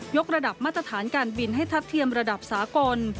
กระดับมาตรฐานการบินให้ทัดเทียมระดับสากล